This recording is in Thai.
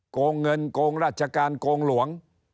โกงเงินโกงราชการโกงหลวง